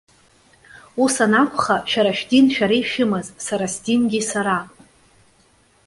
Ус анакәха, шәара шәдин шәара ишәымаз, сара сдингьы сара!